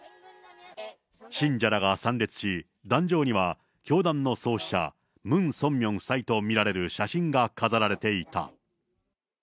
信者らが参列し、壇上には教団の創始者、ムン・ソンミョン夫妻と見られる写真が飾られていた。